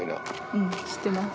うん知ってます。